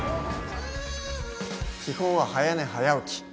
基本は早寝早起き。